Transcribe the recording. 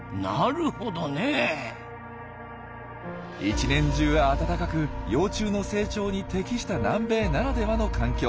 一年中暖かく幼虫の成長に適した南米ならではの環境。